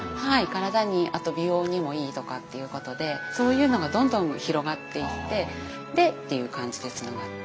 体にあと美容にもいいとかっていうことでそういうのがどんどん広がっていってでっていう感じでつながる。